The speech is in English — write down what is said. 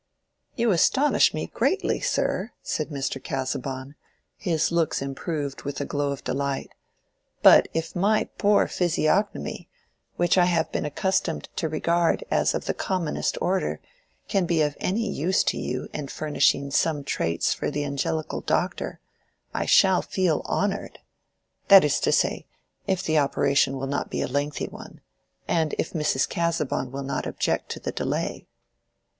"You astonish me greatly, sir," said Mr. Casaubon, his looks improved with a glow of delight; "but if my poor physiognomy, which I have been accustomed to regard as of the commonest order, can be of any use to you in furnishing some traits for the angelical doctor, I shall feel honored. That is to say, if the operation will not be a lengthy one; and if Mrs. Casaubon will not object to the delay."